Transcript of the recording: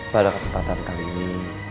pada kesempatan kali ini